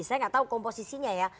saya nggak tahu komposisinya ya